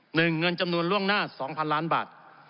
หนึ่งเงินจำนวนล่วงหน้า๒๐๐๐ล้านบาท